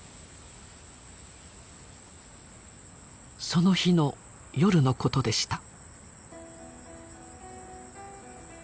その日の夜のことでした。